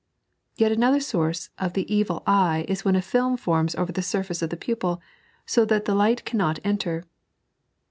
Yet another source of the evil eye is when a film forms over the surface of the pupil, so that the light cannot enter.